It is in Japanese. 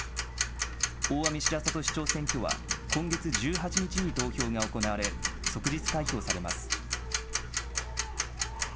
大網白里市長選挙は今月１８日に投票が行われ即日開票されます。